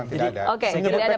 ya memang tidak ada